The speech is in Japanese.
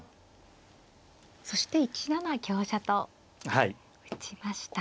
そして１七香車と打ちました。